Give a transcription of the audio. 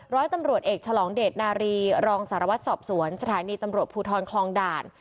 ร้อยตำรวจเอกฉลองเดชนารีรองสารวัตรสอบสวนสถานีตำรวจภูทรคลองด่าน